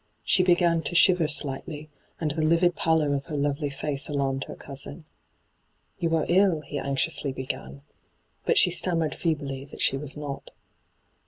She began to shiver slightly, hyGoo^lc 254 ENTRAPPED and the livid pallor of her lovely &ce alarmed her ooasin. ' You are ill,' he anxiously began. But she stammered feebly that she was not.